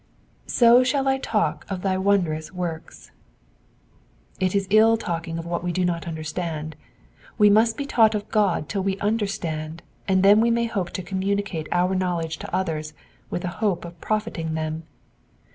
/8£> shall I talk of thy wondrous works,'*'* It is ill talking of what we do not understand. We must be taught of God till we understand, and then wo may hope to communicate our knowledge to others with a hope of profiting them.